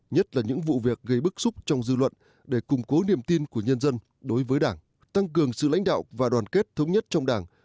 nhất là những vụ việc gây bức xúc trong dư luận để củng cố niềm tin của nhân dân đối với đảng tăng cường sự lãnh đạo và đoàn kết thống nhất trong đảng